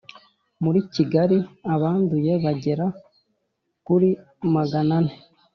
Muri Kigali abanduye bagera kuri Magana ane